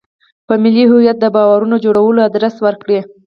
په ملي هویت د باورونو جوړولو ادرس ورکړي.